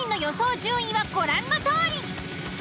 順位はご覧のとおり。